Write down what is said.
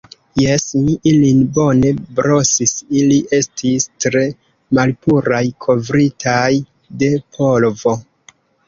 Jes, mi ilin bone brosis; ili estis tre malpuraj kovritaj de polvo.